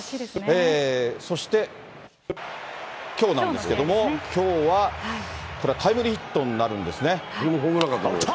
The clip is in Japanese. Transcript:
そしてきょうなんですけども、きょうはこれはタイムリーヒットになるんですね。